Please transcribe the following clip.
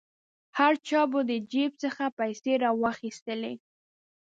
هر چا به د جیب څخه پیسې را واخیستلې.